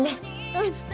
うん。